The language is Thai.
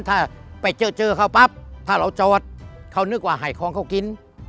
ถ้าไปเจอเจอเขาปั๊บถ้าเราจอดเขานึกว่าให้ของเขากิน